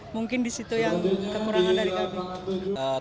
mungkin di situ yang kekurangan dari kami